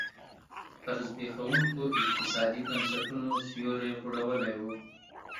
پر زبېښونکو اقتصادي بنسټونو سیوری غوړولی و.